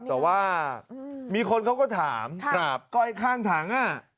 แต่ว่ามีคนเขาก็ถามก็ไอ้ข้างถังอ่ะ